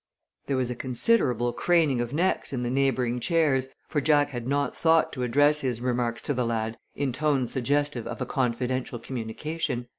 There was a considerable craning of necks in the neighboring chairs, for Jack had not thought to address his remarks to the lad in tones suggestive of a confidential communication.